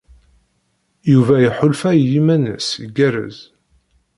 Yuba iḥulfa i yiman-nnes igerrez.